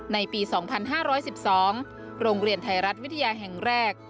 ในปี๒๕๑๒โรงเรียนไทยรัฐวิทยาแห่งแรก